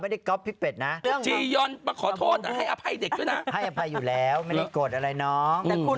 พี่เราจะส่งเสริมให้พี่ด้วยเรื่องของคุณ